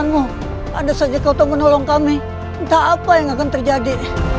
cuma kita bangkitkan kembali